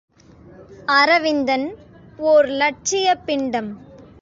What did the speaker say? அரவிந்தன் ஓர் இலட்சியப் பிண்டம்!